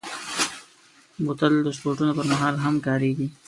بوتل د سپورټونو پر مهال هم کارېږي.